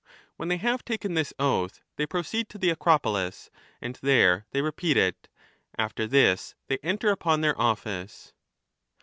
When they have taken this oath they proceed to the Acropolis, and there they repeat it ; after this they enter upon their office.